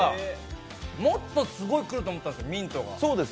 もっとすごい来ると思ったんです、ミントが。